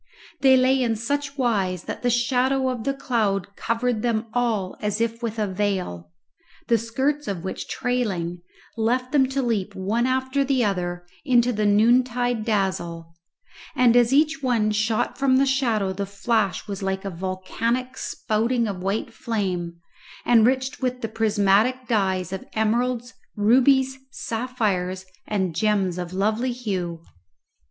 They lay in such wise that the shadow of the cloud covered them all as with a veil, the skirts of which, trailing, left them to leap one after the other into the noontide dazzle; and as each one shot from the shadow the flash was like a volcanic spouting of white flame enriched with the prismatic dyes of emeralds, rubies, sapphires, and gems of lovely hue.